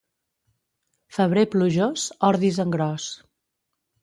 Febrer plujós, ordis en gros.